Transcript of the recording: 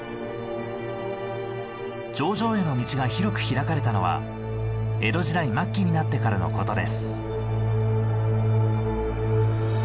頂上への道が広く開かれたのは江戸時代末期になってからのことです。